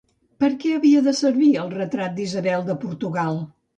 Per què havia de servir el retrat d'Isabel de Portugal?